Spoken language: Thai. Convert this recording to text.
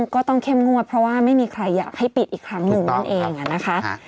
ก็ต้องเข้มงวดเพราะว่าไม่มีใครอยากให้ปิดอีกครั้งหนึ่งนั่นเองนะคะ